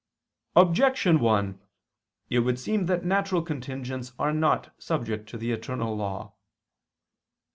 Objection 1: It would seem that natural contingents are not subject to the eternal law.